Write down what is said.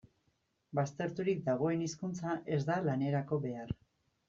Bazterturik dagoen hizkuntza ez da lanerako behar.